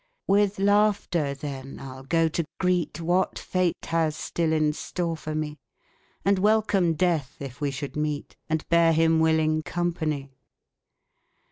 With laughter, then, I'll go to greet What Fate has still in store for me, And welcome Death if we should meet, And bear him willing company.